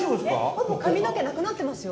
ほぼ髪の毛なくなってますよ。